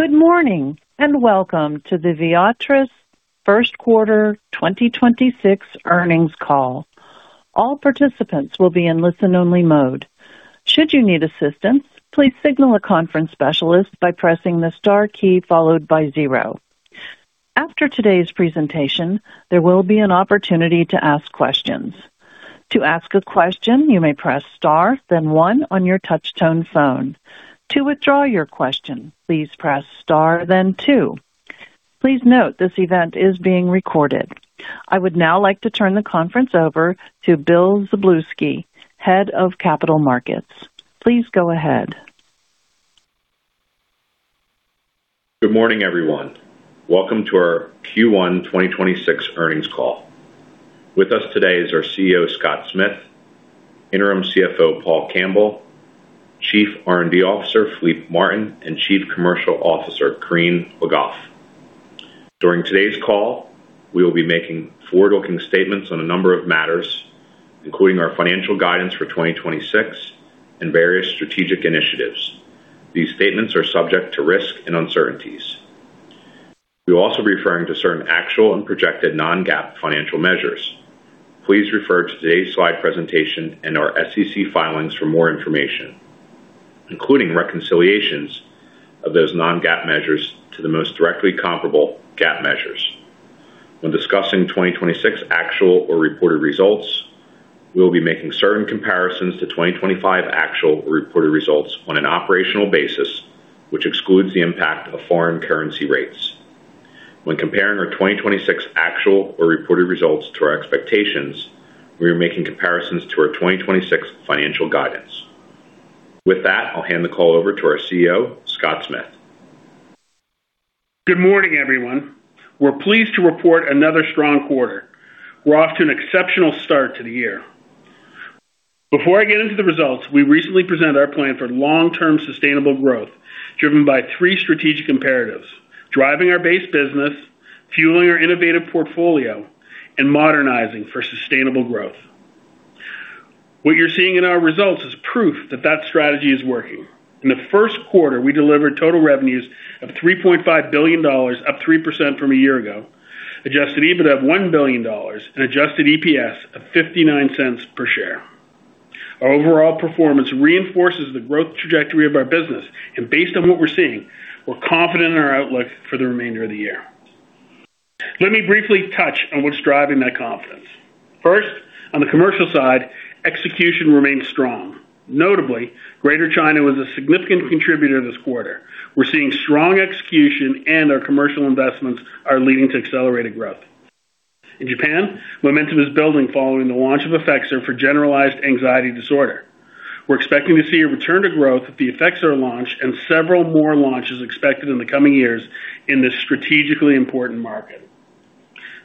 Good morning. Welcome to the Viatris first quarter 2026 earnings call. All participants will be in listen-only mode. Should you need assistance, please signal a conference specialist by pressing the star key followed by zero. After today's presentation, there will be an opportunity to ask questions. To ask a question, you may press star, then one on your touchtone phone. To withdraw your question, please press star, then two. Please note this event is being recorded. I would now like to turn the conference over to Bill Szablewski, Head of Capital Markets. Please go ahead. Good morning, everyone. Welcome to our Q1 2026 earnings call. With us today is our CEO, Scott Smith, Interim CFO, Paul Campbell, Chief R&D Officer, Philippe Martin, and Chief Commercial Officer, Corinne Le Goff. During today's call, we will be making forward-looking statements on a number of matters, including our financial guidance for 2026 and various strategic initiatives. These statements are subject to risk and uncertainties. We'll also be referring to certain actual and projected Non-GAAP financial measures. Please refer to today's slide presentation and our SEC filings for more information, including reconciliations of those Non-GAAP measures to the most directly comparable GAAP measures. When discussing 2026 actual or reported results, we'll be making certain comparisons to 2025 actual or reported results on an operational basis, which excludes the impact of foreign currency rates. When comparing our 2026 actual or reported results to our expectations, we are making comparisons to our 2026 financial guidance. With that, I'll hand the call over to our CEO, Scott Smith. Good morning, everyone. We're pleased to report another strong quarter. We're off to an exceptional start to the year. Before I get into the results, we recently presented our plan for long-term sustainable growth driven by three strategic imperatives: driving our base business, fueling our innovative portfolio, and modernizing for sustainable growth. What you're seeing in our results is proof that that strategy is working. In the first quarter, we delivered total revenues of $3.5 billion, up 3% from a year ago. Adjusted EBITDA of $1 billion and adjusted EPS of $0.59 per share. Our overall performance reinforces the growth trajectory of our business. Based on what we're seeing, we're confident in our outlook for the remainder of the year. Let me briefly touch on what's driving that confidence. First, on the commercial side, execution remains strong. Notably, Greater China was a significant contributor this quarter. We're seeing strong execution and our commercial investments are leading to accelerated growth. In Japan, momentum is building following the launch of Effexor for generalized anxiety disorder. We're expecting to see a return to growth with the Effexor launch and several more launches expected in the coming years in this strategically important market.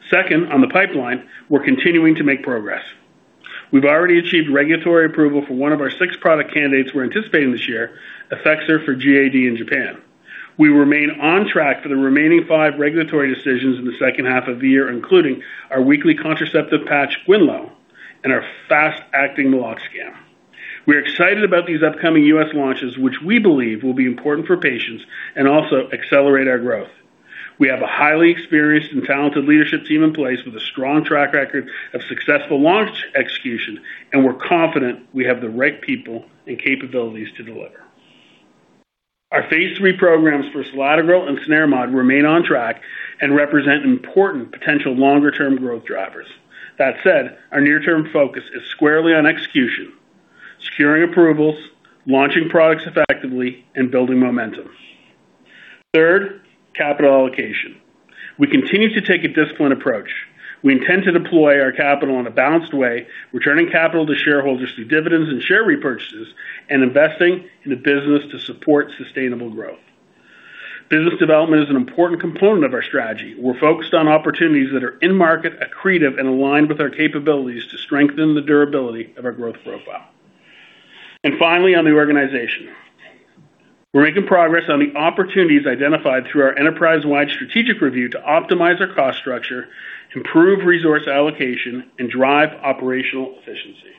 Second, on the pipeline, we're continuing to make progress. We've already achieved regulatory approval for one of our six product candidates we're anticipating this year, Effexor for GAD in Japan. We remain on track for the remaining five regulatory decisions in the second half of the year, including our weekly contraceptive patch, Xulane, and our fast-acting meloxicam. We're excited about these upcoming U.S. launches, which we believe will be important for patients and also accelerate our growth. We have a highly experienced and talented leadership team in place with a strong track record of successful launch execution. We're confident we have the right people and capabilities to deliver. Our phase III programs for selatogrel and cenerimod remain on track and represent important potential longer-term growth drivers. That said, our near-term focus is squarely on execution, securing approvals, launching products effectively, and building momentum. Third, capital allocation. We continue to take a disciplined approach. We intend to deploy our capital in a balanced way, returning capital to shareholders through dividends and share repurchases, investing in the business to support sustainable growth. Business development is an important component of our strategy. We're focused on opportunities that are in-market, accretive, and aligned with our capabilities to strengthen the durability of our growth profile. Finally, on the organization. We're making progress on the opportunities identified through our enterprise-wide strategic review to optimize our cost structure, improve resource allocation, and drive operational efficiency.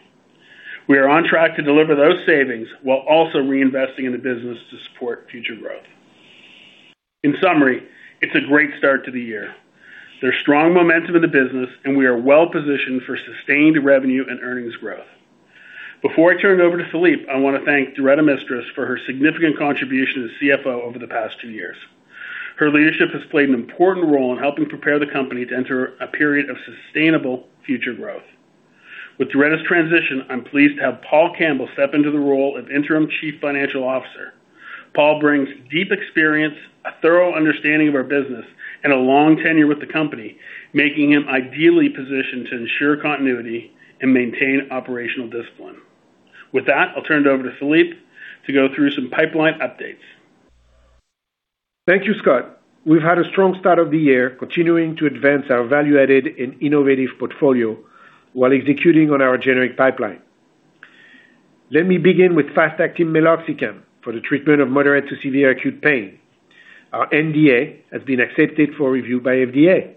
We are on track to deliver those savings while also reinvesting in the business to support future growth. In summary, it's a great start to the year. There's strong momentum in the business, and we are well-positioned for sustained revenue and earnings growth. Before I turn it over to Philippe, I wanna thank Doretta Mistras for her significant contribution as CFO over the past two years. Her leadership has played an important role in helping prepare the company to enter a period of sustainable future growth. With Doretta's transition, I'm pleased to have Paul Campbell step into the role of interim Chief Financial Officer. Paul brings deep experience, a thorough understanding of our business, and a long tenure with the company, making him ideally positioned to ensure continuity and maintain operational discipline. With that, I'll turn it over to Philippe to go through some pipeline updates. Thank you, Scott. We've had a strong start of the year, continuing to advance our value-added and innovative portfolio while executing on our generic pipeline. Let me begin with fast-acting meloxicam for the treatment of moderate-to-severe acute pain. Our NDA has been accepted for review by FDA.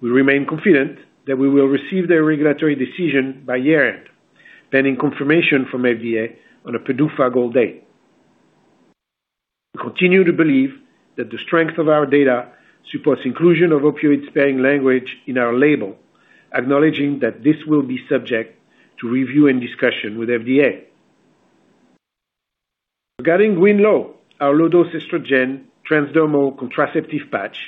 We remain confident that we will receive their regulatory decision by year-end, pending confirmation from FDA on a PDUFA goal date. We continue to believe that the strength of our data supports inclusion of opioid sparing language in our label, acknowledging that this will be subject to review and discussion with FDA. Regarding Xulane, our low-dose estrogen transdermal contraceptive patch,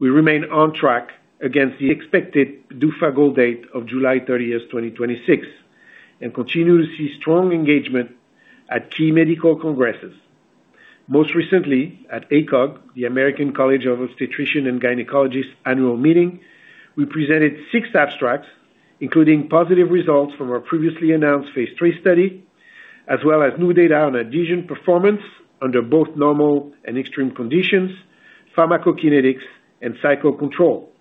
we remain on track against the expected PDUFA goal date of July 30th, 2026, and continue to see strong engagement at key medical congresses. Most recently at ACOG, the American College of Obstetricians and Gynecologists annual meeting, we presented six abstracts, including positive results from our previously announced phase III study, as well as new data on adhesion performance under both normal and extreme conditions, pharmacokinetics, and cycle control.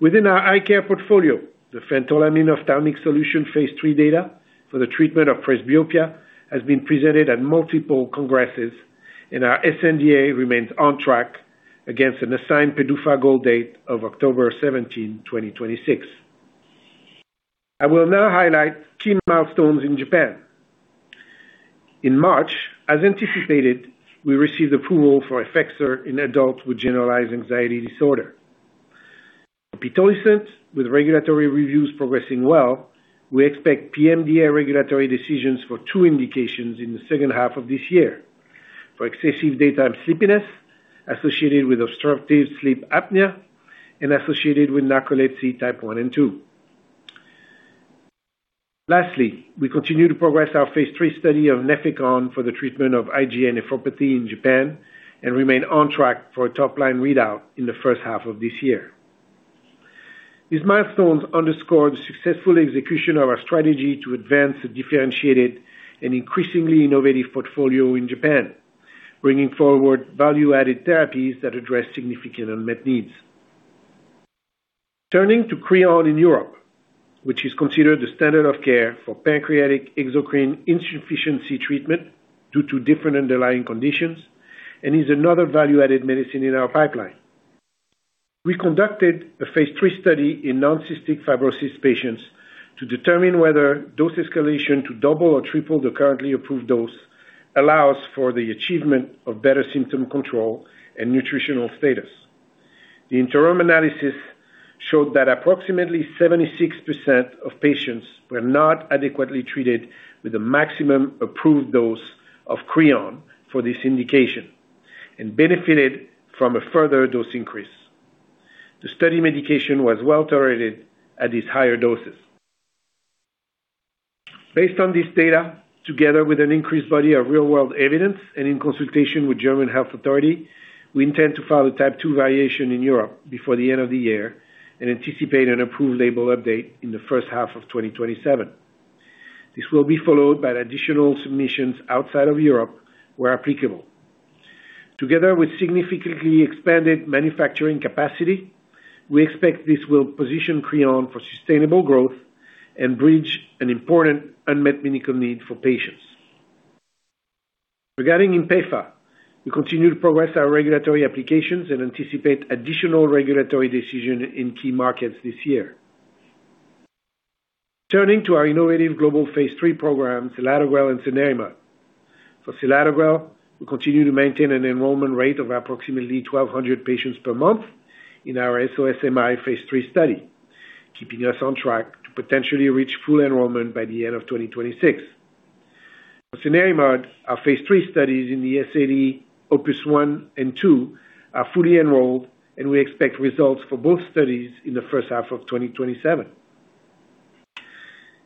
Within our eye care portfolio, the phentolamine ophthalmic solution phase III data for the treatment of presbyopia has been presented at multiple congresses, and our sNDA remains on track against an assigned PDUFA goal date of October 17th, 2026. I will now highlight key milestones in Japan. In March, as anticipated, we received approval for Effexor in adults with generalized anxiety disorder. Pitolisant, with regulatory reviews progressing well, we expect PMDA regulatory decisions for two indications in the second half of this year. For excessive daytime sleepiness associated with obstructive sleep apnea and associated with narcolepsy type 1 and 2. Lastly, we continue to progress our phase III study of Nefecon for the treatment of IgA nephropathy in Japan and remain on track for a top-line readout in the first half of this year. These milestones underscore the successful execution of our strategy to advance a differentiated and increasingly innovative portfolio in Japan, bringing forward value-added therapies that address significant unmet needs. Turning to CREON in Europe, which is considered the standard of care for pancreatic exocrine insufficiency treatment due to different underlying conditions and is another value-added medicine in our pipeline. We conducted a phase III study in non-cystic fibrosis patients to determine whether dose escalation to double or triple the currently approved dose allows for the achievement of better symptom control and nutritional status. The interim analysis showed that approximately 76% of patients were not adequately treated with the maximum approved dose of CREON for this indication and benefited from a further dose increase. The study medication was well tolerated at these higher doses. Based on this data, together with an increased body of real-world evidence and in consultation with German health authority, we intend to file a type two variation in Europe before the end of the year and anticipate an approved label update in the first half of 2027. This will be followed by additional submissions outside of Europe, where applicable. Together with significantly expanded manufacturing capacity, we expect this will position CREON for sustainable growth and bridge an important unmet medical need for patients. Regarding Inpefa, we continue to progress our regulatory applications and anticipate additional regulatory decision in key markets this year. Turning to our innovative global phase III program, selatogrel and cenerimod. For selatogrel, we continue to maintain an enrollment rate of approximately 1,200 patients per month in our SOS-AMI phase III study, keeping us on track to potentially reach full enrollment by the end of 2026. For cenerimod, our phase III studies in the SAD, OPUS-1 and OPUS-2, are fully enrolled, and we expect results for both studies in the first half of 2027.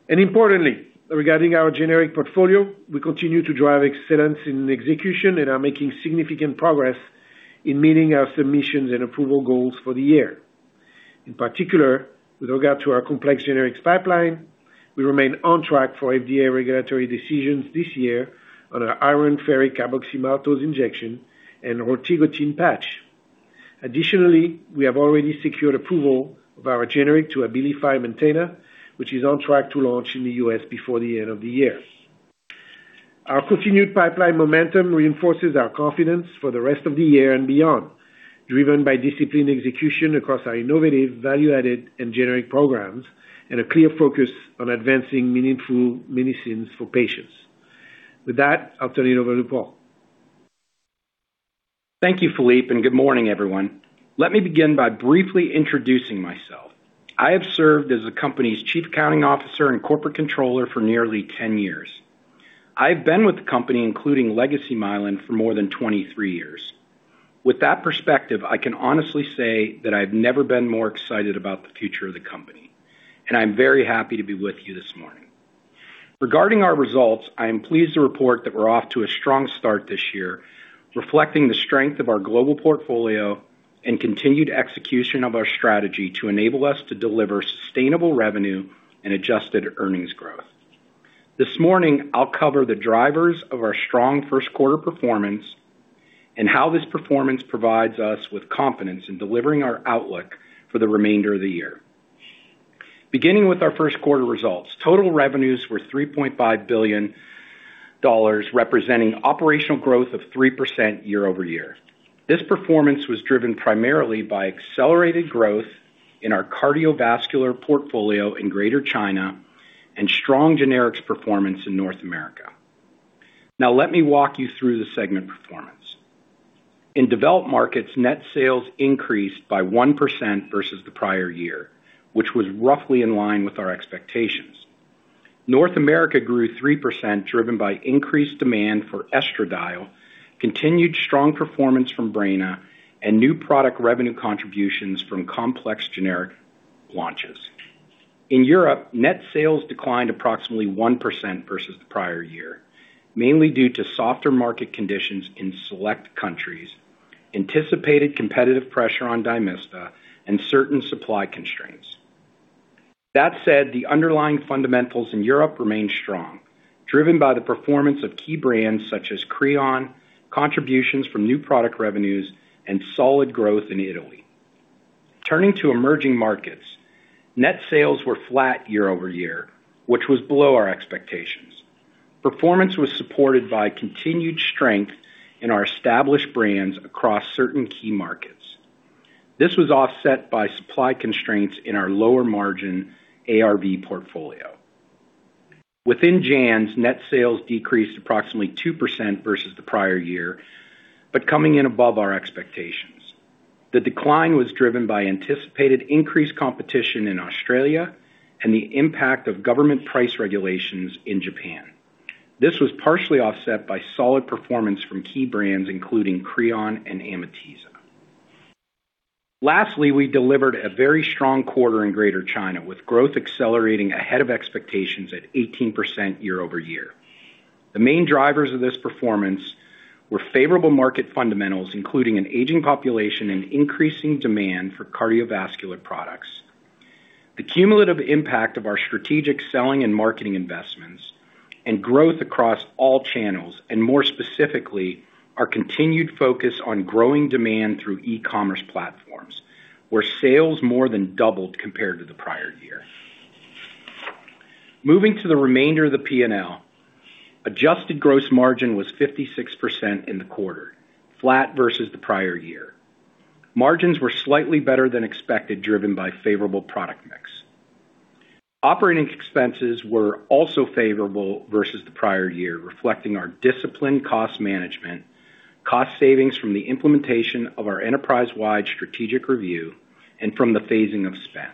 Importantly, regarding our generic portfolio, we continue to drive excellence in execution and are making significant progress in meeting our submissions and approval goals for the year. In particular, with regard to our complex generics pipeline, we remain on track for FDA regulatory decisions this year on our iron ferric carboxymaltose injection and rotigotine patch. Additionally, we have already secured approval of our generic to ABILIFY MAINTENA, which is on track to launch in the U.S. before the end of the year. Our continued pipeline momentum reinforces our confidence for the rest of the year and beyond, driven by disciplined execution across our innovative, value-added, and generic programs, and a clear focus on advancing meaningful medicines for patients. With that, I'll turn it over to Paul. Thank you, Philippe. Good morning, everyone. Let me begin by briefly introducing myself. I have served as the company's Chief Accounting Officer and Corporate Controller for nearly 10 years. I've been with the company, including Legacy Mylan, for more than 23 years. With that perspective, I can honestly say that I've never been more excited about the future of the company, and I'm very happy to be with you this morning. Regarding our results, I am pleased to report that we're off to a strong start this year, reflecting the strength of our global portfolio and continued execution of our strategy to enable us to deliver sustainable revenue and adjusted earnings growth. This morning, I'll cover the drivers of our strong first quarter performance and how this performance provides us with confidence in delivering our outlook for the remainder of the year. Beginning with our first quarter results. Total revenues were $3.5 billion, representing operational growth of 3% year-over-year. This performance was driven primarily by accelerated growth in our cardiovascular portfolio in Greater China and strong generics performance in North America. Now let me walk you through the segment performance. In Developed Markets, net sales increased by 1% versus the prior year, which was roughly in line with our expectations. North America grew 3%, driven by increased demand for estradiol, continued strong performance from Breyna and new product revenue contributions from complex generic launches. In Europe, net sales declined approximately 1% versus the prior year, mainly due to softer market conditions in select countries, anticipated competitive pressure on Dymista and certain supply constraints. That said, the underlying fundamentals in Europe remain strong, driven by the performance of key brands such as CREON, contributions from new product revenues and solid growth in Italy. Turning to emerging markets, net sales were flat year-over-year, which was below our expectations. Performance was supported by continued strength in our established brands across certain key markets. This was offset by supply constraints in our lower margin ARV portfolio. Within JANZ, net sales decreased approximately 2% versus the prior year, coming in above our expectations. The decline was driven by anticipated increased competition in Australia and the impact of government price regulations in Japan. This was partially offset by solid performance from key brands including Creon and Amitiza. Lastly, we delivered a very strong quarter in Greater China, with growth accelerating ahead of expectations at 18% year-over-year. The main drivers of this performance were favorable market fundamentals, including an aging population and increasing demand for cardiovascular products. The cumulative impact of our strategic selling and marketing investments and growth across all channels, and more specifically, our continued focus on growing demand through e-commerce platforms, where sales more than doubled compared to the prior year. Moving to the remainder of the P&L, adjusted gross margin was 56% in the quarter, flat versus the prior year. Margins were slightly better than expected, driven by favorable product mix. Operating expenses were also favorable versus the prior year, reflecting our disciplined cost management, cost savings from the implementation of our enterprise-wide strategic review and from the phasing of spend.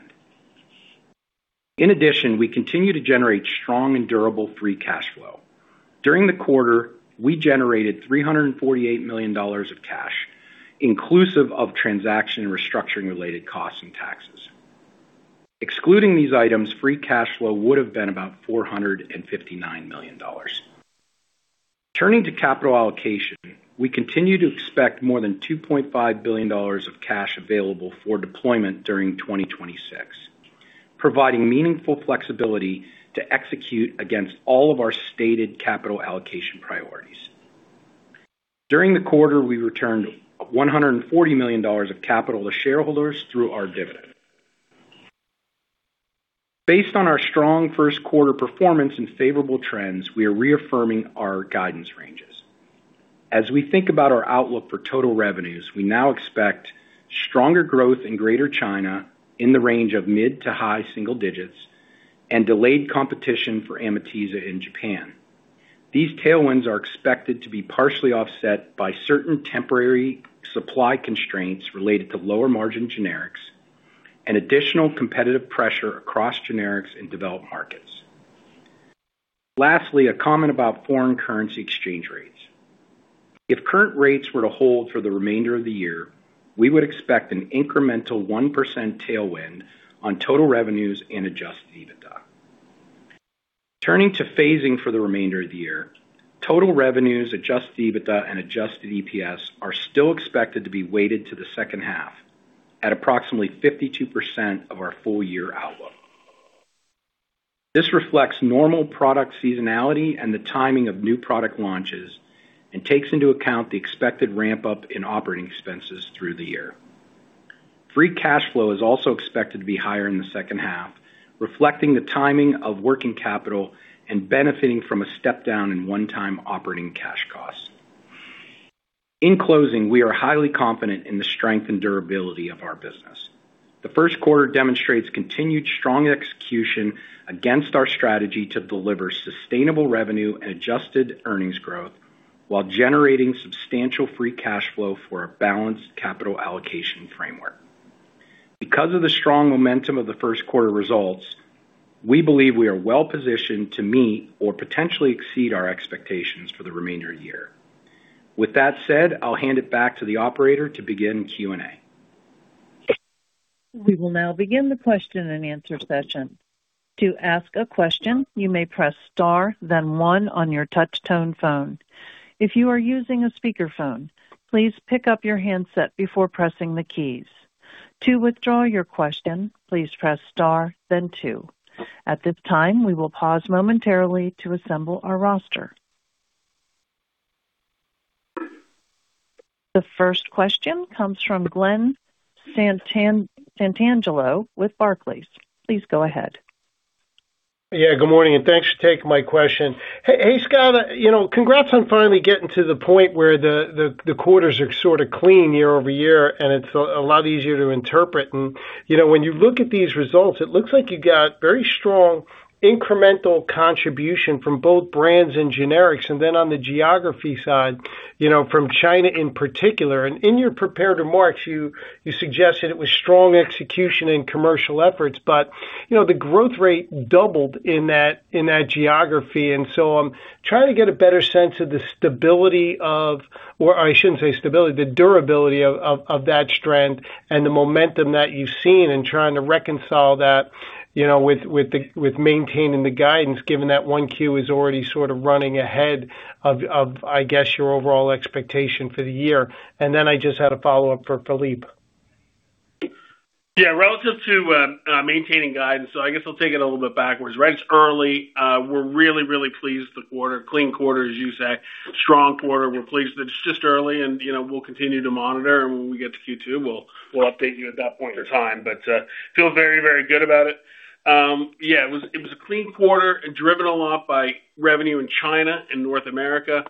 In addition, we continue to generate strong and durable free cash flow. During the quarter, we generated $348 million of cash inclusive of transaction and restructuring related costs and taxes. Excluding these items, free cash flow would have been about $459 million. Turning to capital allocation, we continue to expect more than $2.5 billion of cash available for deployment during 2026, providing meaningful flexibility to execute against all of our stated capital allocation priorities. During the quarter, we returned $140 million of capital to shareholders through our dividend. Based on our strong first quarter performance and favorable trends, we are reaffirming our guidance ranges. As we think about our outlook for total revenues, we now expect stronger growth in Greater China in the range of mid to high single digits and delayed competition for Amitiza in Japan. These tailwinds are expected to be partially offset by certain temporary supply constraints related to lower margin generics and additional competitive pressure across generics in developed markets. Lastly, a comment about foreign currency exchange rates. If current rates were to hold for the remainder of the year, we would expect an incremental 1% tailwind on total revenues and adjusted EBITDA. Turning to phasing for the remainder of the year, total revenues, adjusted EBITDA and adjusted EPS are still expected to be weighted to the second half at approximately 52% of our full year outlook. This reflects normal product seasonality and the timing of new product launches and takes into account the expected ramp up in operating expenses through the year. Free cash flow is also expected to be higher in the second half, reflecting the timing of working capital and benefiting from a step down in one-time operating cash costs. In closing, we are highly confident in the strength and durability of our business. The first quarter demonstrates continued strong execution against our strategy to deliver sustainable revenue and adjusted earnings growth while generating substantial free cash flow for a balanced capital allocation framework. Because of the strong momentum of the first quarter results, we believe we are well positioned to meet or potentially exceed our expectations for the remainder of the year. With that said, I'll hand it back to the operator to begin Q&A. We will now begin the question and answer session. To ask a question, you may press star then one on your touch-tone phone. If you are using a speakerphone, please pick up your handset before pressing the keys. To withdraw your question, please press star then two. At this time, we will pause momentarily to assemble our roster. The first question comes from Glen Santangelo with Barclays. Please go ahead. Yeah, good morning. Thanks for taking my question. Hey, hey, Scott. You know, congrats on finally getting to the point where the quarters are sort of clean year-over-year, and it's a lot easier to interpret. You know, when you look at these results, it looks like you got very strong incremental contribution from both brands and generics. Then on the geography side, you know, from China in particular. In your prepared remarks, you suggested it was strong execution and commercial efforts. You know, the growth rate doubled in that geography, I'm trying to get a better sense of the stability of, or I shouldn't say stability, the durability of that strength and the momentum that you've seen in trying to reconcile that, you know, with maintaining the guidance, given that Q1 is already sort of running ahead of, I guess, your overall expectation for the year. I just had a follow-up for Philippe. Yeah, relative to maintaining guidance, I guess I'll take it a little bit backwards. Right. It's early. We're really pleased with the quarter. Clean quarter, as you say. Strong quarter. We're pleased that it's just early, and, you know, we'll continue to monitor, and when we get to Q2, we'll update you at that point in time. Feel very good about it. Yeah, it was a clean quarter driven a lot by revenue in China and North America.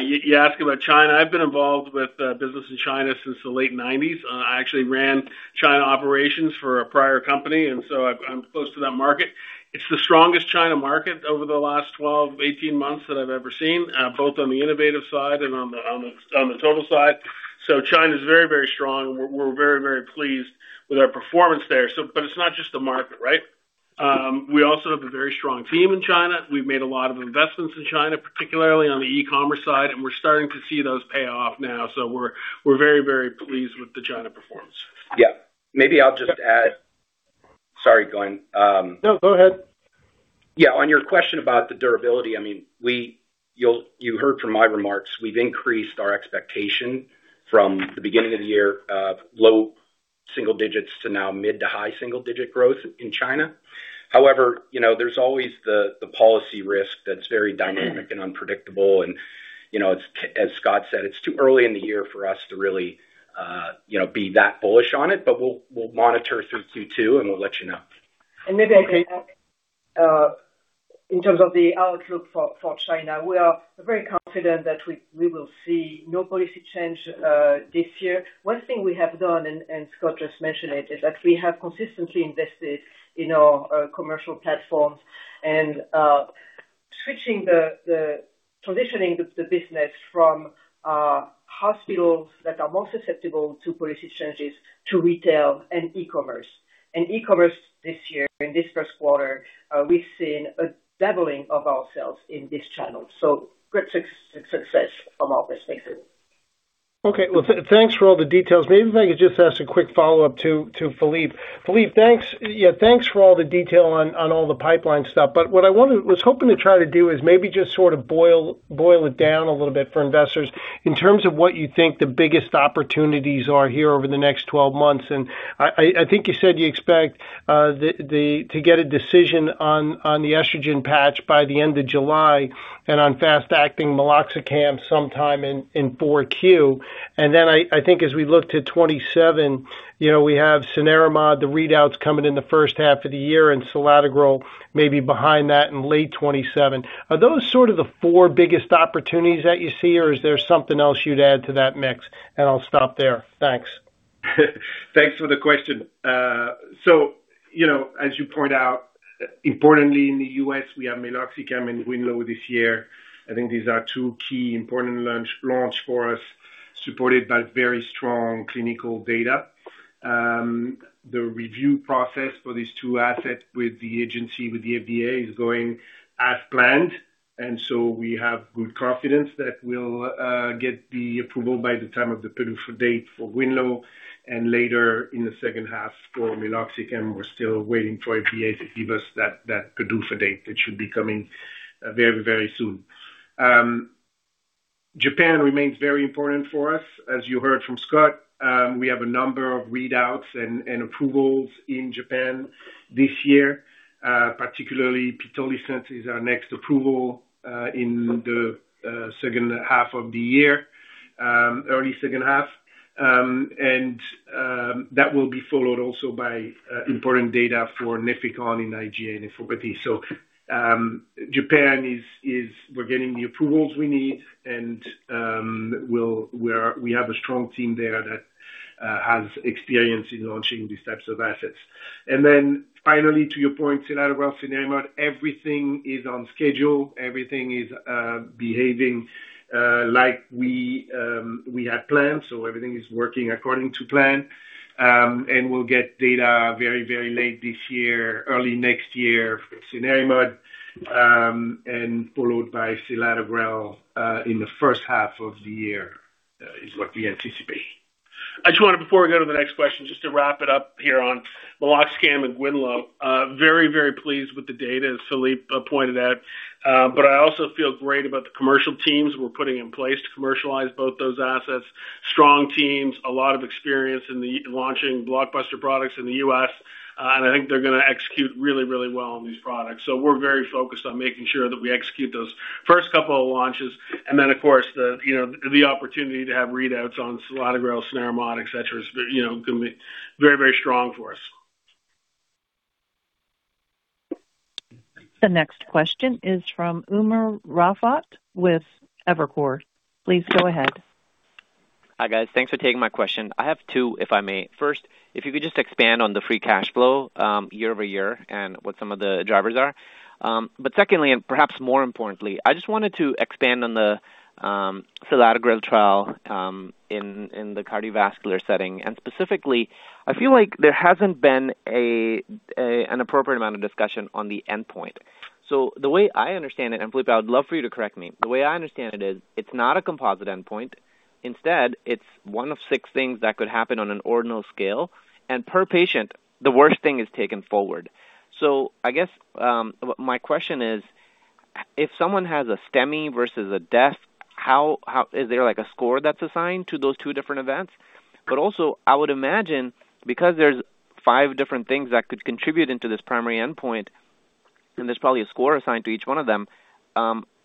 You ask about China. I've been involved with business in China since the late nineties. I actually ran China operations for a prior company, and so I'm close to that market. It's the strongest China market over the last 12 month, 18 months that I've ever seen, both on the innovative side and on the total side. China's very, very strong. We're very, very pleased with our performance there. But it's not just the market, right? We also have a very strong team in China. We've made a lot of investments in China, particularly on the e-commerce side, and we're starting to see those pay off now. We're very, very pleased with the China performance. Yeah. Maybe I'll just add Sorry, Glen. No, go ahead. Yeah. On your question about the durability, I mean, you heard from my remarks, we've increased our expectation from the beginning of the year of low single digits to now mid to high single digit growth in China. However, you know, there's always the policy risk that's very dynamic and unpredictable and, you know, as Scott said, it's too early in the year for us to really, you know, be that bullish on it, but we'll monitor through Q2, and we'll let you know. Maybe I can add, in terms of the outlook for China. We are very confident that we will see no policy change this year. One thing we have done, Scott just mentioned it, is that we have consistently invested in our commercial platforms and, switching the positioning the business from, hospitals that are more susceptible to policy changes to retail and e-commerce. E-commerce this year, in this first quarter, we've seen a doubling of our sales in this channel. Great success on all these spaces. Okay. Well, thanks for all the details. Maybe if I could just ask a quick follow-up to Philippe. Philippe, thanks for all the detail on all the pipeline stuff. What I was hoping to try to do is maybe just sort of boil it down a little bit for investors in terms of what you think the biggest opportunities are here over the next 12 months. I think you said you expect to get a decision on the estrogen patch by the end of July and on fast-acting meloxicam sometime in 4Q. Then I think as we look to 2027, you know, we have cenerimod, the readouts coming in the first half of the year and selatogrel maybe behind that in late 2027. Are those sort of the four biggest opportunities that you see, or is there something else you'd add to that mix? I'll stop there. Thanks. Thanks for the question. You know, as you point out, importantly in the U.S., we have meloxicam and Winlow this year. I think these are two key important launch for us, supported by very strong clinical data. The review process for these two assets with the agency, with the FDA, is going as planned. We have good confidence that we'll get the approval by the time of the PDUFA date for Winlow and later in the second half for meloxicam. We're still waiting for FDA to give us that PDUFA date, which should be coming very, very soon. Japan remains very important for us. As you heard from Scott, we have a number of readouts and approvals in Japan this year. Particularly pitolisant is our next approval in the second half of the year, early second half. That will be followed also by important data for Nefecon in IgA nephropathy. Japan is, we're getting the approvals we need and we have a strong team there that has experience in launching these types of assets. Then finally, to your point, selatogrel, cenerimod, everything is on schedule. Everything is behaving like we had planned. Everything is working according to plan. We'll get data very, very late this year, early next year for cenerimod, and followed by selatogrel in the first half of the year is what we anticipate. I just wanted before we go to the next question, just to wrap it up here on meloxicam and Winlow. Very, very pleased with the data, as Philippe pointed out. I also feel great about the commercial teams we're putting in place to commercialize both those assets. Strong teams, a lot of experience in the launching blockbuster products in the U.S. I think they're gonna execute really, really well on these products. We're very focused on making sure that we execute those first couple of launches. Of course, the opportunity to have readouts on selatogrel, cenerimod, et cetera, is gonna be very strong for us. The next question is from Umer Raffat with Evercore. Please go ahead. Hi, guys. Thanks for taking my question. I have two, if I may. First, if you could just expand on the free cash flow, year-over-year and what some of the drivers are. Secondly, and perhaps more importantly, I just wanted to expand on the selatogrel trial in the cardiovascular setting. Specifically, I feel like there hasn't been an appropriate amount of discussion on the endpoint. The way I understand it, and Philippe, I would love for you to correct me. The way I understand it is, it's not a composite endpoint. Instead, it's one of six things that could happen on an ordinal scale, and per patient, the worst thing is taken forward. I guess, my question is: If someone has a STEMI versus a death, how Is there like a score that's assigned to those two different events? Also, I would imagine because there's 5 different things that could contribute into this primary endpoint, and there's probably a score assigned to each one of them,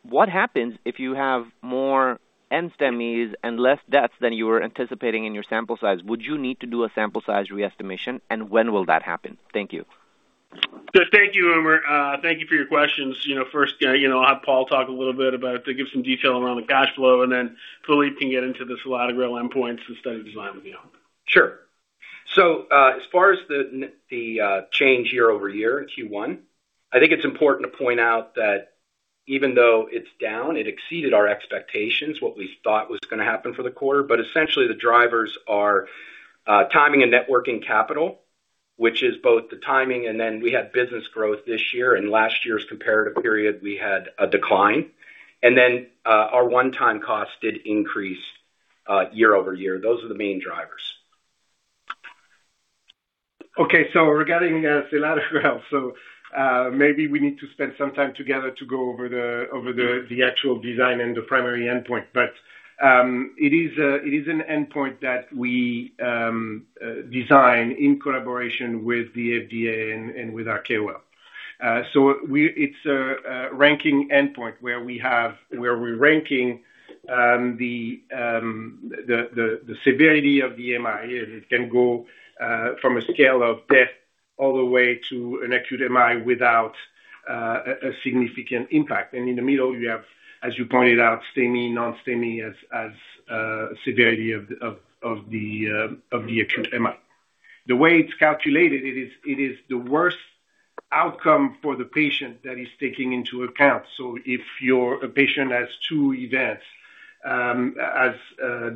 what happens if you have more NSTEMIs and less deaths than you were anticipating in your sample size? Would you need to do a sample size re-estimation? When will that happen? Thank you. Thank you, Umer. Thank you for your questions. First, you know, I'll have Paul talk a little bit about to give some detail around the cash flow, and then Philippe can get into the selatogrel endpoints and study design and beyond. Sure. As far as the change year-over-year in Q1, I think it's important to point out that even though it's down, it exceeded our expectations, what we thought was gonna happen for the quarter. Essentially, the drivers are timing and networking capital, which is both the timing and then we had business growth this year. In last year's comparative period, we had a decline. Our one-time cost did increase year-over-year. Those are the main drivers. Okay. Regarding selatogrel. Maybe we need to spend some time together to go over the actual design and the primary endpoint. It is an endpoint that we design in collaboration with the FDA and with our KOLs. It's a ranking endpoint where we're ranking the severity of the AMI. It can go from a scale of death all the way to an acute MI without a significant impact. In the middle, you have, as you pointed out, STEMI, non-STEMI as severity of the acute MI. The way it's calculated, it is the worst outcome for the patient that is taking into account. If your patient has two events, as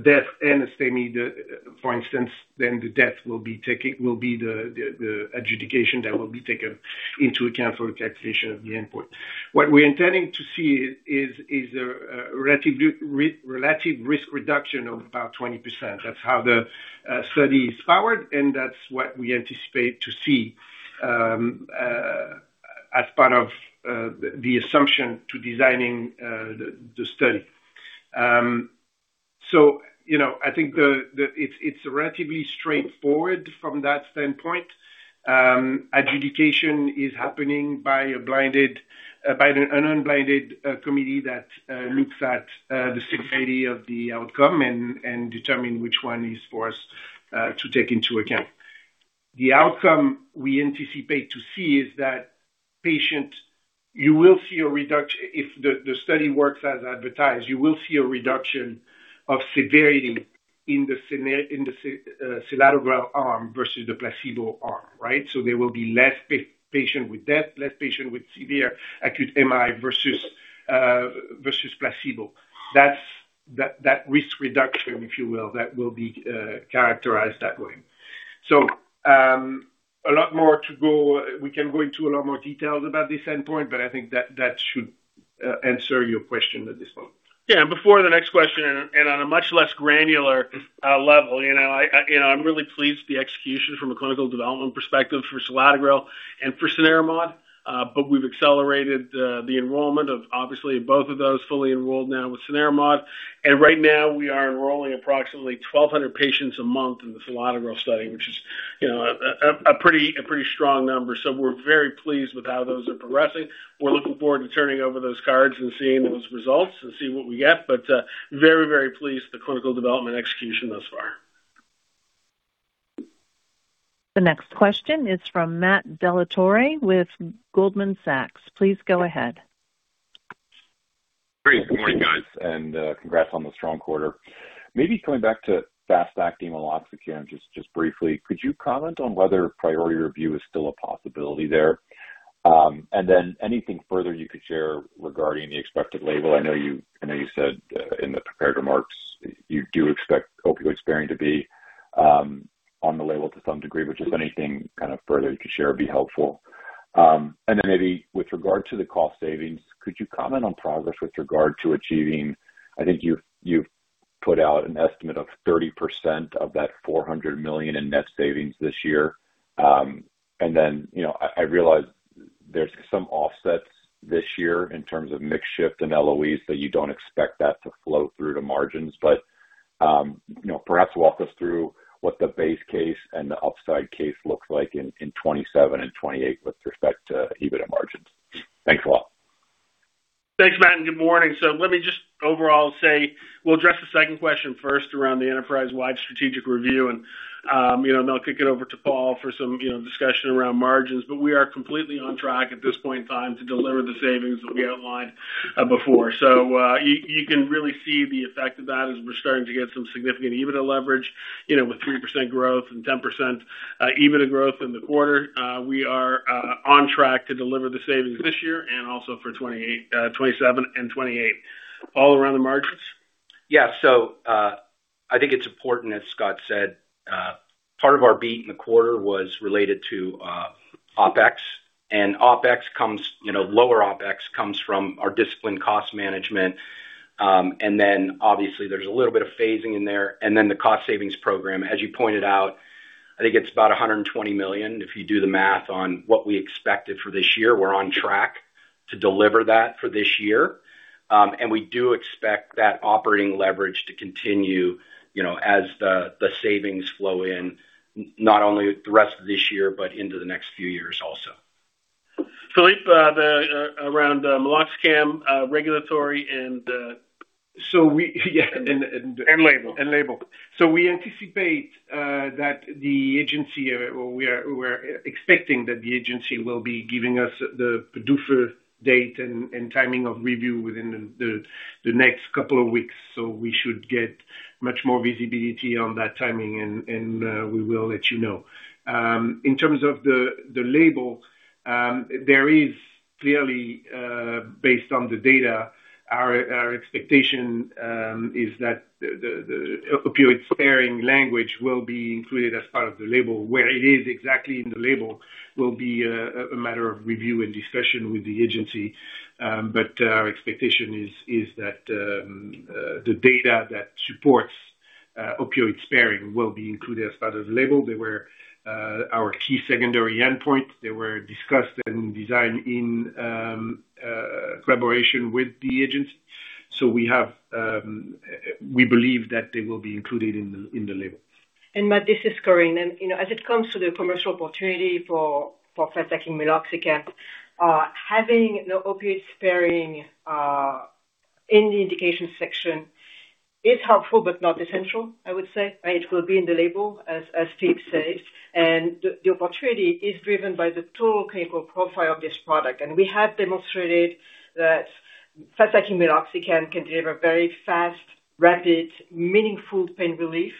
death and a STEMI, for instance, then the death will be the adjudication that will be taken into account for the calculation of the endpoint. What we're intending to see is a relative risk reduction of about 20%. That's how the study is powered, and that's what we anticipate to see as part of the assumption to designing the study. You know, I think the It's relatively straightforward from that standpoint. Adjudication is happening by a blinded, by an unblinded committee that looks at the severity of the outcome and determine which one is for us to take into account. The outcome we anticipate to see is that patients. You will see a reduction. If the study works as advertised, you will see a reduction of severity in the selatogrel arm versus the placebo arm, right. There will be less patient with death, less patient with severe acute MI versus placebo. That risk reduction, if you will be characterized that way. A lot more to go. We can go into a lot more details about this endpoint, but I think that should answer your question at this point. Yeah. Before the next question and on a much less granular level, you know, I, you know, I'm really pleased with the execution from a clinical development perspective for selatogrel and for cenerimod. We've accelerated the enrollment of obviously both of those fully enrolled now with cenerimod. Right now, we are enrolling approximately 1,200 patients a month in the selatogrel study, which is, you know, a pretty strong number. We're very pleased with how those are progressing. We're looking forward to turning over those cards and seeing those results and see what we get. Very pleased with the clinical development execution thus far. The next question is from Matthew Dellatorre with Goldman Sachs. Please go ahead. Great. Good morning, guys, and congrats on the strong quarter. Maybe coming back to fast-acting meloxicam again, just briefly. Could you comment on whether priority review is still a possibility there? Anything further you could share regarding the expected label. I know you said in the prepared remarks you do expect opioid sparing to be on the label to some degree. Just anything kind of further you could share would be helpful. Maybe with regard to the cost savings, could you comment on progress with regard to achieving I think you put out an estimate of 30% of that $400 million in net savings this year. you know, I realize there's some offsets this year in terms of mix shift and LOEs that you don't expect that to flow through to margins. you know, perhaps walk us through what the base case and the upside case looks like in 2027 and 2028 with respect to EBITDA margins. Thanks a lot. Thanks, Matt. Good morning. Let me just overall say we'll address the second question first around the enterprise-wide strategic review. You know, I'll kick it over to Paul for some, you know, discussion around margins. We are completely on track at this point in time to deliver the savings that we outlined before. You can really see the effect of that as we're starting to get some significant EBITDA leverage, you know, with 3% growth and 10% EBITDA growth in the quarter. We are on track to deliver the savings this year and also for 2027 and 2028. Paul, around the margins. I think it's important, as Scott said, part of our beat in the quarter was related to OpEx. OpEx comes, you know, lower OpEx comes from our disciplined cost management. Obviously, there's a little bit of phasing in there. The cost savings program, as you pointed out, I think it's about $120 million. If you do the math on what we expected for this year, we're on track to deliver that for this year. We do expect that operating leverage to continue, you know, as the savings flow in not only the rest of this year but into the next few years also. Philippe, around meloxicam, regulatory and. Yeah. And, and- label. label. We anticipate that the agency or we are expecting that the agency will be giving us the PDUFA date and timing of review within the next couple of weeks. We should get much more visibility on that timing, and we will let you know. In terms of the label, there is clearly based on the data, our expectation is that the opioid-sparing language will be included as part of the label. Where it is exactly in the label will be a matter of review and discussion with the agency. But our expectation is that the data that supports opioid sparing will be included as part of the label. They were our key secondary endpoint. They were discussed and designed in collaboration with the agency. We have, we believe that they will be included in the label. Matt, this is Corinne. You know, as it comes to the commercial opportunity for fast-acting meloxicam, having the opioid-sparing in the indication section is helpful but not essential, I would say, right? It will be in the label as Philippe said. The opportunity is driven by the total clinical profile of this product. We have demonstrated that fast-acting meloxicam can deliver very fast, rapid, meaningful pain relief.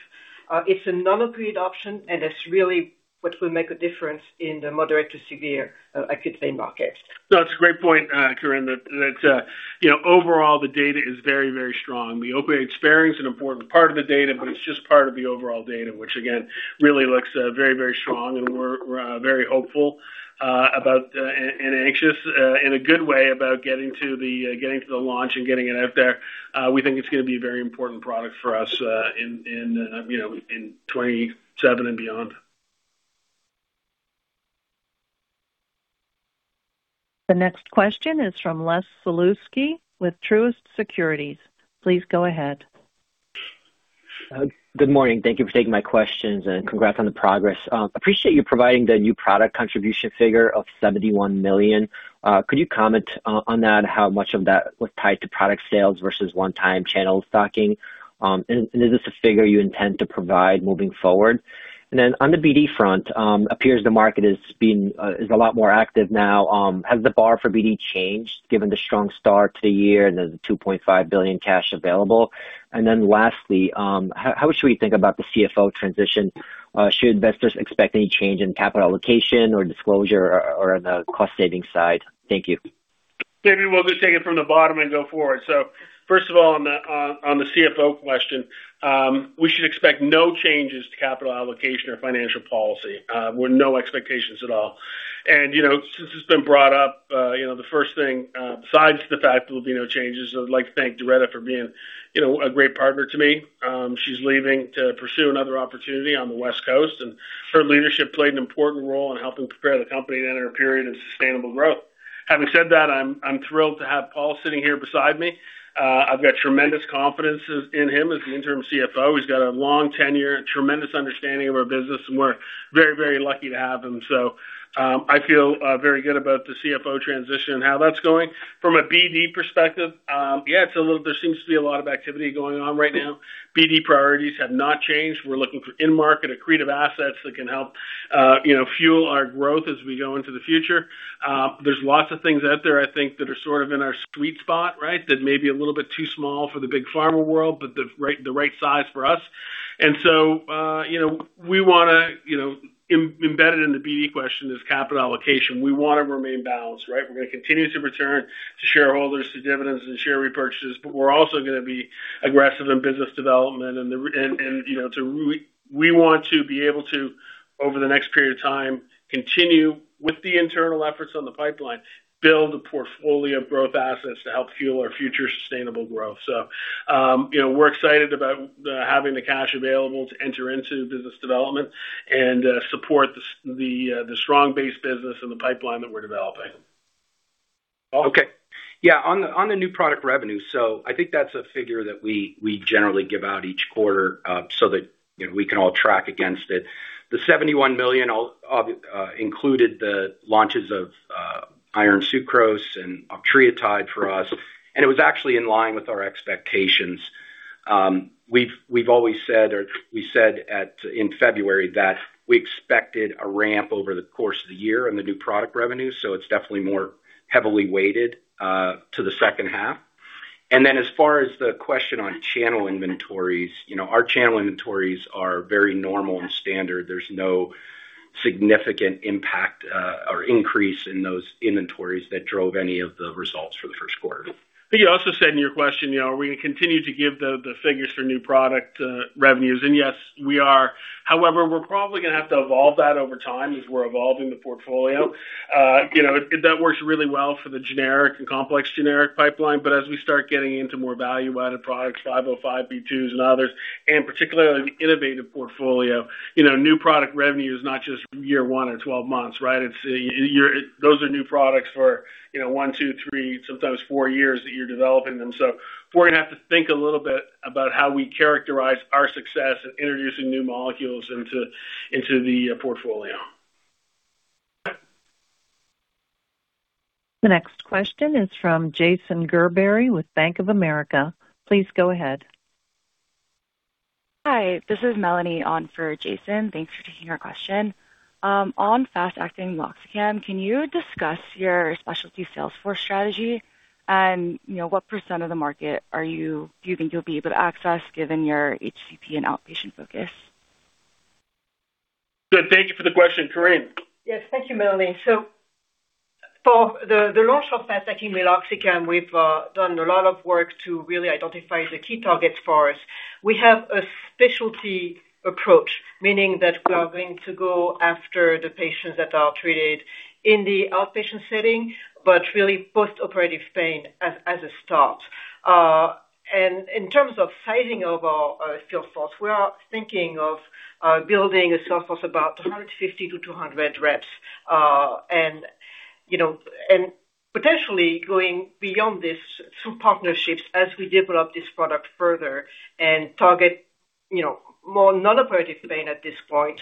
It's a non-opioid option, and it's really what will make a difference in the moderate to severe acute pain market. It's a great point, Corinne, that, you know, overall the data is very, very strong. The opioid sparing is an important part of the data, but it's just part of the overall data, which again, really looks, very strong and we're very hopeful, about, and anxious, in a good way about getting to the launch and getting it out there. We think it's gonna be a very important product for us, in, you know, in 2027 and beyond. The next question is from Leszek Sulewski with Truist Securities. Please go ahead. Good morning. Thank you for taking my questions, and congrats on the progress. Appreciate you providing the new product contribution figure of $71 million. Could you comment on that, how much of that was tied to product sales versus one-time channel stocking? Is this a figure you intend to provide moving forward? On the BD front, appears the market is a lot more active now. Has the bar for BD changed given the strong start to the year and the $2.5 billion cash available? Lastly, how should we think about the CFO transition? Should investors expect any change in capital allocation or disclosure or the cost-saving side? Thank you. Maybe we'll just take it from the bottom and go forward. First of all, on the CFO question, we should expect no changes to capital allocation or financial policy, with no expectations at all. You know, since it's been brought up, you know, the first thing, besides the fact there will be no changes, I would like to thank Doretta for being, you know, a great partner to me. She's leaving to pursue another opportunity on the West Coast, and her leadership played an important role in helping prepare the company to enter a period of sustainable growth. Having said that, I'm thrilled to have Paul sitting here beside me. I've got tremendous confidence in him as the interim CFO. He's got a long tenure and tremendous understanding of our business, and we're very, very lucky to have him. I feel very good about the CFO transition and how that's going. From a BD perspective, there seems to be a lot of activity going on right now. BD priorities have not changed. We're looking for in-market accretive assets that can help, you know, fuel our growth as we go into the future. There's lots of things out there, I think, that are sort of in our sweet spot, right? That may be a little bit too small for the big pharma world, but the right size for us. You know, we wanna, you know, embedded in the BD question is capital allocation. We wanna remain balanced, right? We're gonna continue to return to shareholders through dividends and share repurchases, but we're also gonna be aggressive in business development and we want to be able to, over the next period of time, continue with the internal efforts on the pipeline, build a portfolio of growth assets to help fuel our future sustainable growth. So, you know, we're excited about having the cash available to enter into business development and support the strong base business and the pipeline that we're developing. Okay. Yeah, on the new product revenue. I think that's a figure that we generally give out each quarter, so that, you know, we can all track against it. The $71 million included the launches of iron sucrose and octreotide for us, and it was actually in line with our expectations. We've always said or we said in February that we expected a ramp over the course of the year in the new product revenue, it's definitely more heavily weighted to the second half. As far as the question on channel inventories, you know, our channel inventories are very normal and standard. There's no significant impact or increase in those inventories that drove any of the results for the first quarter. I think you also said in your question, you know, are we gonna continue to give the figures for new product revenues? Yes, we are. However, we're probably gonna have to evolve that over time as we're evolving the portfolio. You know, that works really well for the generic and complex generic pipeline. As we start getting into more value-added products, 505(b)(2)s and others, and particularly innovative portfolio, you know, new product revenue is not just year 1 or 12 months, right? Those are new products for, you know, 1, 2, 3, sometimes 4 years that you're developing them. We're gonna have to think a little bit about how we characterize our success in introducing new molecules into the portfolio. The next question is from Jason Gerberry with Bank of America. Please go ahead. Hi, this is Melanie on for Jason. Thanks for taking our question. On fast-acting meloxicam, can you discuss your specialty sales force strategy? You know, what % of the market do you think you'll be able to access given your HCP and outpatient focus? Good. Thank you for the question. Corinne. Yes, thank you, Melanie. For the launch of fast-acting meloxicam, we've done a lot of work to really identify the key targets for us. We have a specialty approach, meaning that we are going to go after the patients that are treated in the outpatient setting, but really post-operative pain as a start. In terms of sizing of our skill force, we are thinking of building a skill force about 150 to 200 reps. You know, potentially going beyond this through partnerships as we develop this product further and target, you know, more non-operative pain at this point,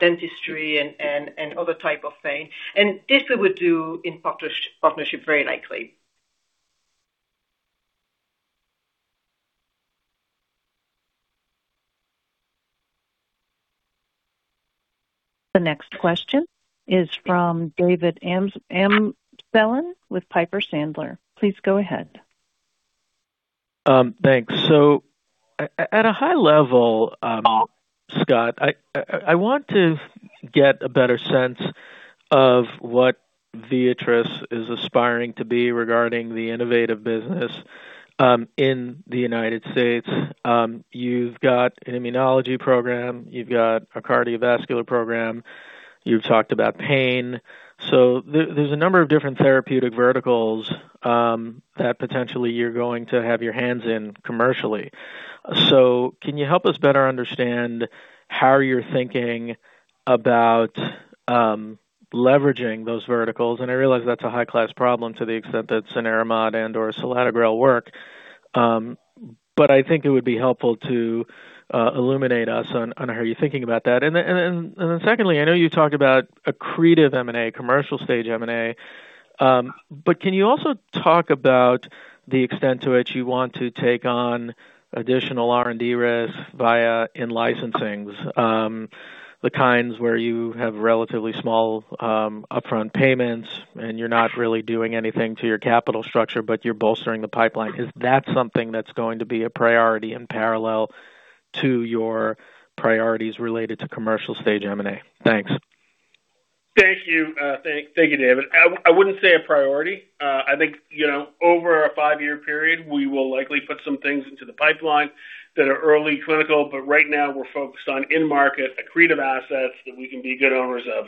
dentistry and other type of pain. This we would do in partnership very likely. The next question is from David Amsellem with Piper Sandler. Please go ahead. Thanks. At a high level, Scott, I want to get a better sense of what Viatris is aspiring to be regarding the innovative business in the U.S. You've got an immunology program, you've got a cardiovascular program. You've talked about pain. There's a number of different therapeutic verticals that potentially you're going to have your hands in commercially. Can you help us better understand how you're thinking about leveraging those verticals? I realize that's a high-class problem to the extent that cenerimod and/or selatogrel work. I think it would be helpful to illuminate us on how you're thinking about that. Then secondly, I know you talked about accretive M&A, commercial stage M&A. Can you also talk about the extent to which you want to take on additional R&D risk via in-licensings? The kinds where you have relatively small upfront payments, and you're not really doing anything to your capital structure, but you're bolstering the pipeline. Is that something that's going to be a priority in parallel to your priorities related to commercial stage M&A? Thanks. Thank you. Thank you, David. I wouldn't say a priority. I think, you know, over a five-year period, we will likely put some things into the pipeline that are early clinical, but right now we're focused on in-market accretive assets that we can be good owners of.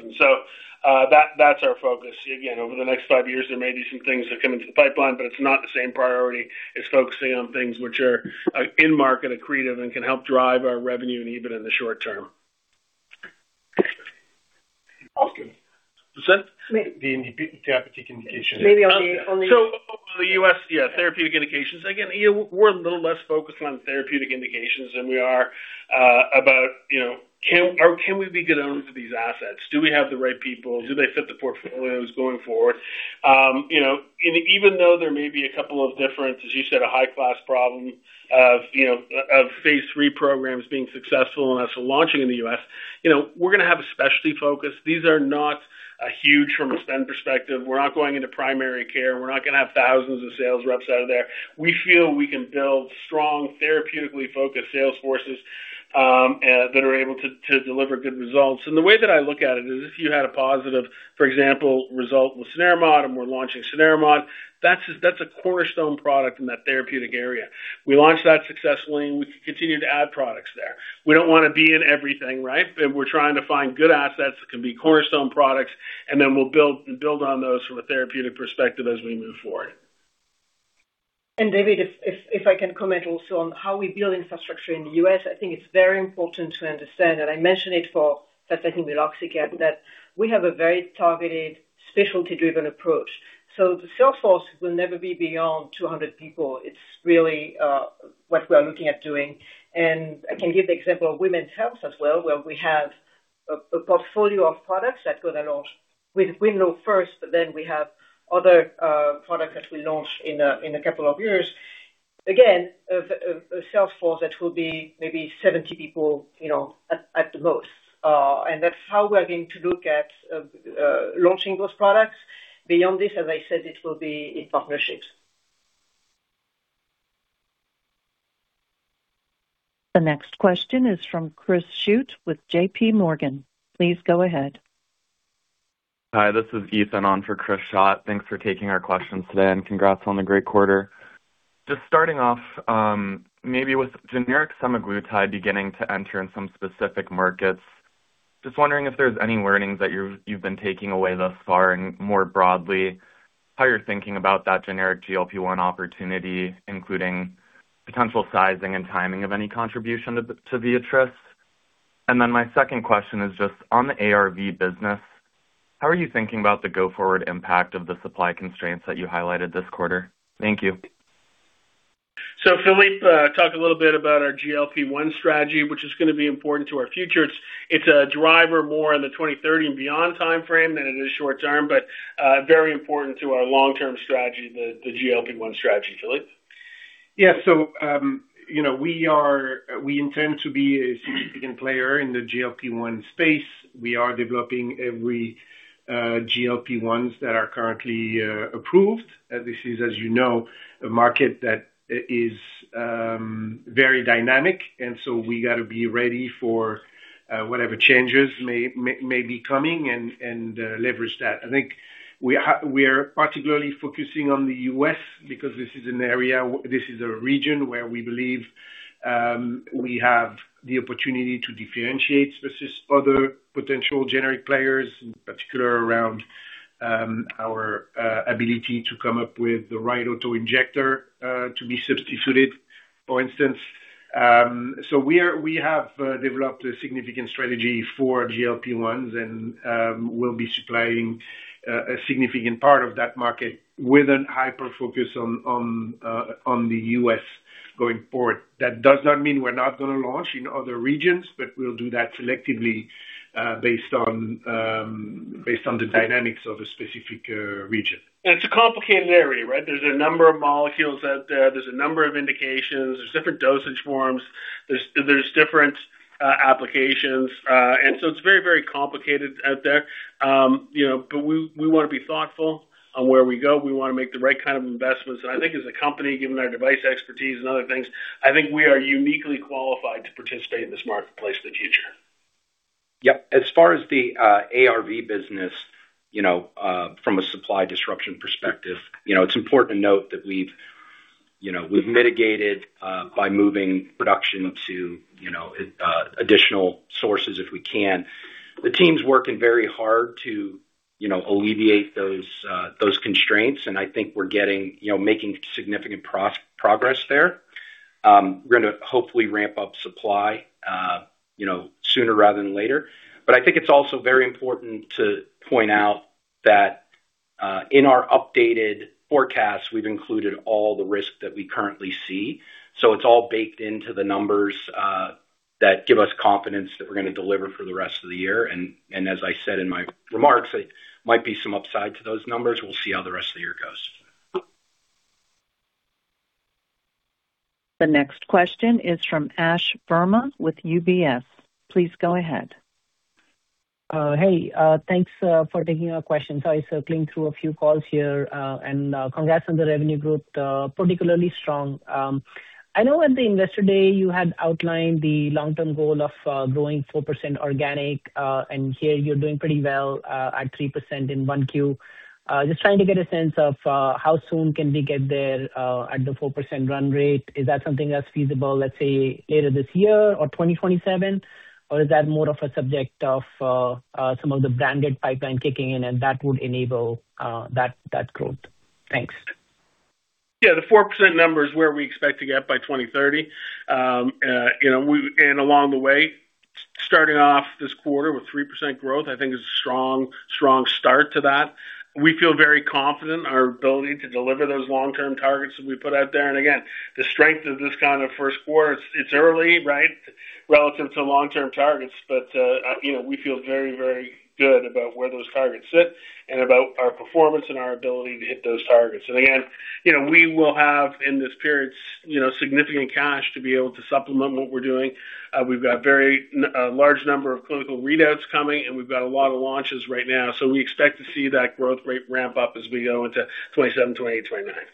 That's our focus. Again, over the next five years, there may be some things that come into the pipeline, but it's not the same priority as focusing on things which are, in market, accretive, and can help drive our revenue and EBIT in the short term. Awesome. Does that- May- The therapeutic indication. Maybe on the. The U.S., yeah, therapeutic indications. Again, you know, we're a little less focused on therapeutic indications than we are about, you know, can or can we be good owners of these assets? Do we have the right people? Do they fit the portfolios going forward? You know, even though there may be a couple of differences, as you said, a high-class problem of, you know, of phase III programs being successful and us launching in the U.S., you know, we're gonna have a specialty focus. These are not huge from a spend perspective. We're not going into primary care. We're not gonna have thousands of sales reps out of there. We feel we can build strong therapeutically focused sales forces that are able to deliver good results. The way that I look at it is if you had a positive, for example, result with cenerimod and we're launching cenerimod, that's a cornerstone product in that therapeutic area. We launched that successfully, and we can continue to add products there. We don't wanna be in everything, right? We're trying to find good assets that can be cornerstone products, and then we'll build on those from a therapeutic perspective as we move forward. David, if I can comment also on how we build infrastructure in the U.S., I think it's very important to understand, I mentioned it for, that I think with oxyget, that we have a very targeted specialty-driven approach. The sales force will never be beyond 200 people. It's really what we are looking at doing. I can give the example of Women's Health as well, where we have a portfolio of products that we're gonna launch with XULANE LO first, but then we have other products that we launch in a couple of years. Again, a sales force that will be maybe 70 people, you know, at the most. That's how we are going to look at launching those products. Beyond this, as I said, it will be in partnerships. The next question is from Chris Schott with JP Morgan. Please go ahead. Hi, this is Ethan on for Chris Schott. Thanks for taking our questions today. Congrats on the great quarter. Just starting off, maybe with generic semaglutide beginning to enter in some specific markets, just wondering if there's any learnings that you've been taking away thus far and more broadly, how you're thinking about that generic GLP-1 opportunity, including potential sizing and timing of any contribution to Viatris. My second question is just on the ARV business, how are you thinking about the go-forward impact of the supply constraints that you highlighted this quarter? Thank you. Philippe talked a little bit about our GLP-1 strategy, which is going to be important to our future. It's a driver more in the 2030 and beyond timeframe than it is short term. Very important to our long-term strategy, the GLP-1 strategy. Philippe? You know, we intend to be a significant player in the GLP-1 space. We are developing every GLP-1s that are currently approved. This is, as you know, a market that is very dynamic, we gotta be ready for whatever changes may be coming and leverage that. I think we are particularly focusing on the U.S. because this is a region where we believe we have the opportunity to differentiate versus other potential generic players, in particular around our ability to come up with the right auto-injector to be substituted, for instance. We have developed a significant strategy for GLP-1s and we'll be supplying a significant part of that market with an hyper focus on the U.S. going forward. That does not mean we're not gonna launch in other regions, but we'll do that selectively based on the dynamics of a specific region. It's a complicated area, right? There's a number of molecules out there. There's a number of indications. There's different dosage forms. There's different applications. It's very complicated out there. You know, we wanna be thoughtful on where we go. We wanna make the right kind of investments. I think as a company, given our device expertise and other things, I think we are uniquely qualified to participate in this marketplace in the future. Yep. As far as the ARV business, you know, from a supply disruption perspective, you know, it's important to note that we've, you know, we've mitigated by moving production to, you know, additional sources if we can. The team's working very hard to, you know, alleviate those constraints, and I think we're getting, you know, making significant progress there. We're gonna hopefully ramp up supply, you know, sooner rather than later. I think it's also very important to point out that in our updated forecast, we've included all the risk that we currently see. It's all baked into the numbers that give us confidence that we're gonna deliver for the rest of the year. As I said in my remarks, there might be some upside to those numbers. We'll see how the rest of the year goes. The next question is from Ashwani Verma with UBS. Please go ahead. Hey, thanks for taking our question. Sorry, circling through a few calls here. Congrats on the revenue growth, particularly strong. I know at the investor day, you had outlined the long-term goal of growing 4% organic, and here you're doing pretty well at 3% in 1Q. Just trying to get a sense of how soon can we get there at the 4% run rate. Is that something that's feasible, let's say, later this year or 2027? Is that more of a subject of some of the branded pipeline kicking in and that would enable that growth? Thanks. Yeah, the 4% number is where we expect to get by 2030. You know, along the way, starting off this quarter with 3% growth, I think is a strong start to that. We feel very confident in our ability to deliver those long-term targets that we put out there. Again, the strength of this kind of first quarter, it's early, right, relative to long-term targets. You know, we feel very, very good about where those targets sit and about our performance and our ability to hit those targets. Again, you know, we will have in this period, you know, significant cash to be able to supplement what we're doing. We've got very large number of clinical readouts coming, We've got a lot of launches right now. We expect to see that growth rate ramp up as we go into 2027, 2028, 2029.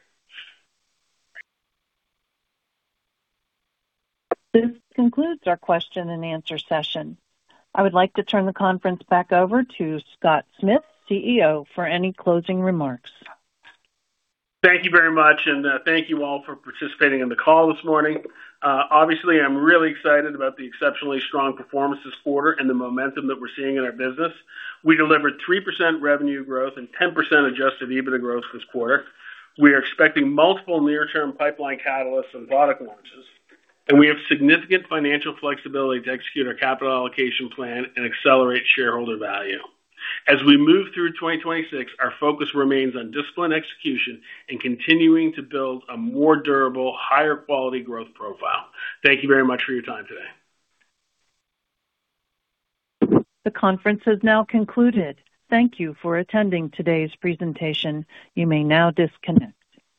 This concludes our question-and-answer session. I would like to turn the conference back over to Scott Smith, CEO, for any closing remarks. Thank you very much, and thank you all for participating in the call this morning. Obviously, I'm really excited about the exceptionally strong performance this quarter and the momentum that we're seeing in our business. We delivered 3% revenue growth and 10% adjusted EBITDA growth this quarter. We are expecting multiple near-term pipeline catalysts and product launches, and we have significant financial flexibility to execute our capital allocation plan and accelerate shareholder value. As we move through 2026, our focus remains on disciplined execution and continuing to build a more durable, higher quality growth profile. Thank you very much for your time today. The conference has now concluded. Thank you for attending today's presentation. You may now disconnect.